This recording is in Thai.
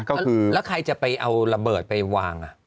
ก็คือแล้วใครจะไปเอาระเบิดไปวาง